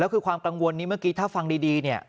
คือความกังวลนี้เมื่อกี้ถ้าฟังดีเนี่ย